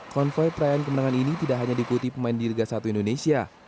konvoy perayaan kemenangan ini tidak hanya diikuti pemain di liga satu indonesia